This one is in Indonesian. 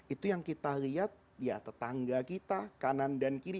itu yang kita lihat ya tetangga kita kanan dan kiri